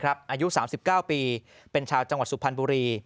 อายุ๓๙ปีเป็นชาวจังหวัดสุพรรณบุรี